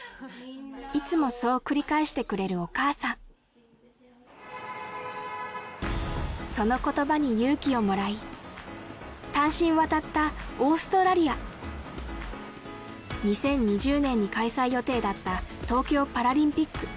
いつもそう繰り返してくれるお母さんそのことばに勇気をもらい単身渡ったオーストラリア２０２０年に開催予定だった東京パラリンピック